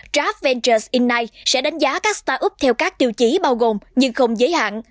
grab ventures inigh sẽ đánh giá các start up theo các tiêu chí bao gồm nhưng không giới hạn